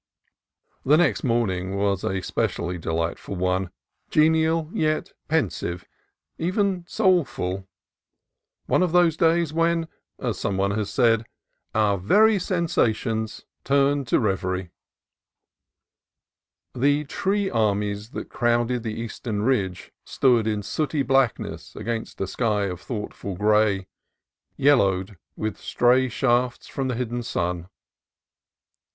The next morning was a specially delightful one, genial, yet pensive, even "soulful ": one of those days when, as some one has said, "our very sensations turn 274 CALIFORNIA COAST TRAILS to reverie." The tree armies that crowded the eastern ridge stood in sooty blackness against a sky of thoughtful gray, yellowed with stray shafts from the hidden sun.